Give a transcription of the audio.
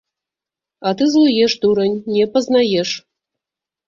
А ты злуеш, дурань, не пазнаеш!